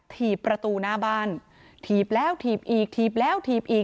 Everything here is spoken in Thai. ถีบประตูหน้าบ้านถีบแล้วถีบอีกถีบแล้วถีบอีก